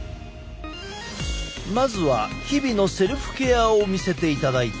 まずは日々のセルフケアを見せていただいた。